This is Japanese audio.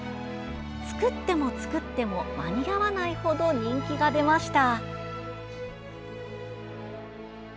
作っても作っても間に合わない程人気が出ました。